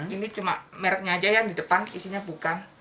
ini cuma mereknya aja yang di depan isinya bukan